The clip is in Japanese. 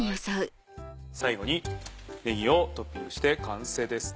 最後にねぎをトッピングして完成です。